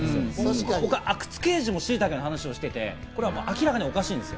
阿久津刑事もしいたけの話をしていて明らかにおかしいんです。